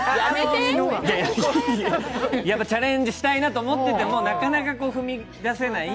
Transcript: チャレンジしたいなと思っててもなかなか踏み出せない。